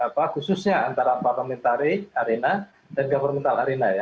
khususnya antara parliamentary arena dan governmental arena ya